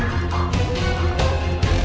mama punya rencana